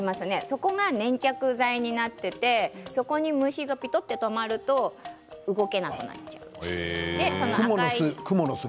そこが粘着剤になっていてそこに虫がぴたっととまると動けなくなっちゃう。